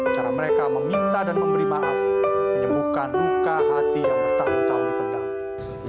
cara mereka meminta dan memberi maaf menyembuhkan luka hati yang bertahun tahun dipendam